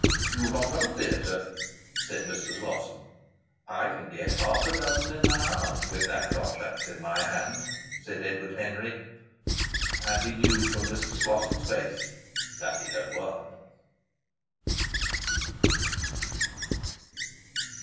"You've not got a theatre," said Mr. Slosson. "I can get half a dozen in an hour with that contract in my hand," said Edward Henry. And he knew from Mr. Slosson's face that he had won.